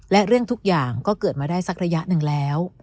และเรื่องทุกอย่างก็เกิดมาได้สักระยะหนึ่งแล้ว